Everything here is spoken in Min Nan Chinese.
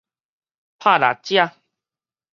拍獵者